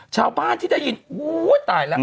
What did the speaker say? ชาวบ้านที่ได้ยินอุ้ยตายแล้ว